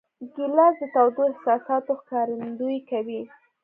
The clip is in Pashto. ګیلاس د تودو احساساتو ښکارندویي کوي.